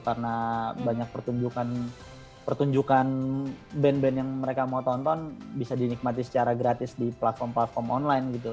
karena banyak pertunjukan band band yang mereka mau tonton bisa dinikmati secara gratis di platform platform online gitu